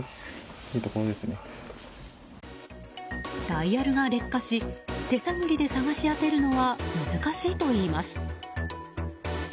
ダイヤルが劣化し手探りで探し当てるのは難しいといいます。